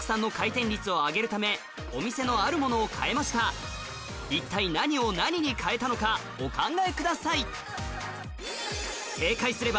それではここで一体何を何に変えたのかお考えください